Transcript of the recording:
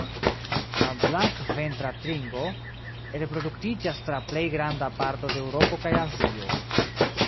La Blankventra tringo reproduktiĝas tra plej granda parto de Eŭropo kaj Azio.